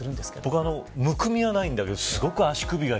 僕は、むくみはないんだけどすごく足首が